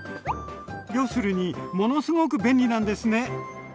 要するにものすごく便利なんですね。